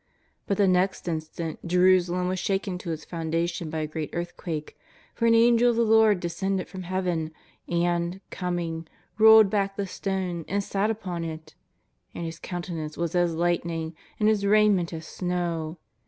But the next instant Jerusa lem was shaken to its foundations by a great earth quake, for an Angel of the Lord descended from Hea ven, and, coming, rolled back the stone and sat upon it. And his countenance was as lightning, and his raiment as snow.